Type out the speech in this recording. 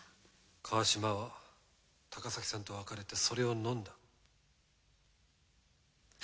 川島は高崎さんと別れてそれを飲んだ。